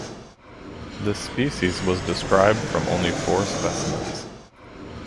This species was described from only four specimens.